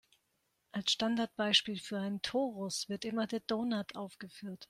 Als Standardbeispiel für einen Torus wird immer der Donut aufgeführt.